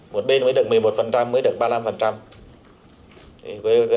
một bên mới được một mươi một mới được ba mươi năm